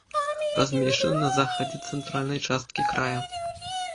Размешчаны на захадзе цэнтральнай часткі края.